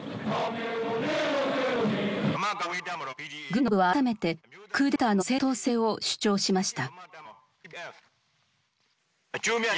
軍のトップは改めてクーデターの正当性を主張しました。